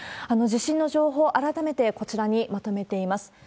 地震の情報、改めて、こちらにまとめています。